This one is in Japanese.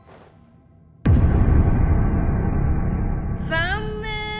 残念！